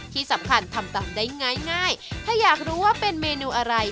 ที่สำคัญทำตามได้ง่ายถ้าอยากรู้ว่าเป็นเมนูอะไร